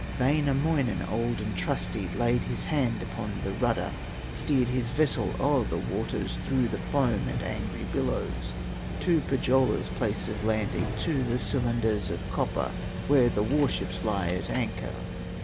Wainamoinen, old and trusty, Laid his hand upon the rudder, Steered his vessel o'er the waters, Through the foam and angry billows To Pohyola's place of landing, To the cylinders of copper, Where the war ships lie at anchor.